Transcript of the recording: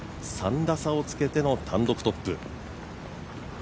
３打差をつけての単独トップ。